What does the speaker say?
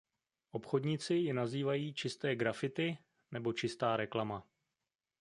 Obchodníci ji nazývají "čisté graffiti" nebo "čistá reklama".